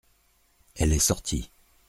Elle est sortie.